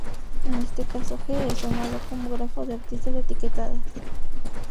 En este caso, "G" es llamado como grafo de aristas etiquetadas.